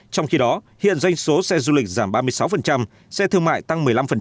trong khi đó hiện doanh số xe du lịch giảm ba mươi sáu xe thương mại tăng một mươi năm